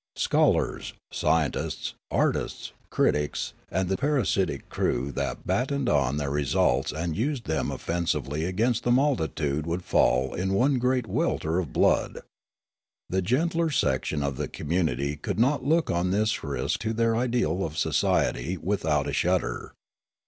Schol ars, scientists, artists, critics, and the parasitic crew that battened on their results and used them offensively against the multitude would fall in one great welter of blood. The gentler section of the community could not look on this risk to their ideal of societ\' without a shudder.